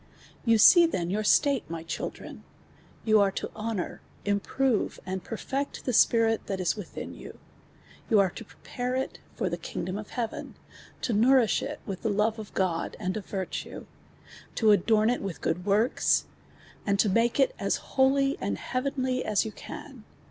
Y(»u see then your state, my < hililren ; you aie to honour, iniprove, and perfect tlu^ spirit that is within you,\ou are to |)repare it for the kingdom ol" heaven, to nourish it with (he love of (iod, and of virtue, to adorn it wi(h i;()o(l works, unci lo make it as holy and Iwavenly as you can.